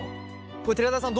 これ寺田さん